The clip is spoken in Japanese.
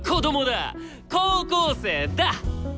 高校生だ！